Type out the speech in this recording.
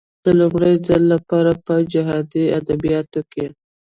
د لومړي ځل لپاره په جهادي ادبياتو کې.